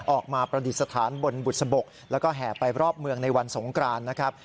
ประดิษฐานบนบุษบกแล้วก็แห่ไปรอบเมืองในวันสงกรานนะครับ